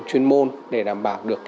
chuyên môn để đảm bảo được